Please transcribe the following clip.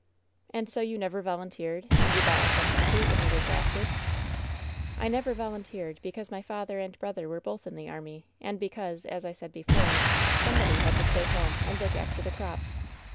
"And so you never volunteered, and you bought a substitute when you were drafted ?" "I never volunteered because my father and brother were both in the army, and because, as I said before, somebody had to stay home and look after the crops.